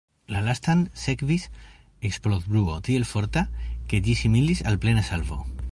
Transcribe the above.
La lastan sekvis eksplodbruo tiel forta, ke ĝi similis al plena salvo.